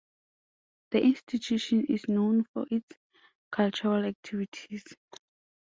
The institution is known for its cultural activities.